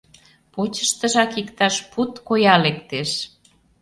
Почыштыжак иктаж пуд коя лектеш.